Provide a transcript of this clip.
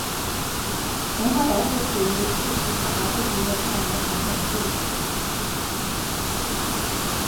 文化保守主义试图采纳过去遗留下来的传统和制度。